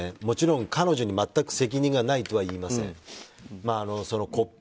もちろん彼女に全く責任がないとは言いません。